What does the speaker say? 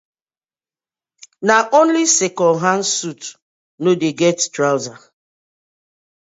Na only second hand suit no dey get trouser.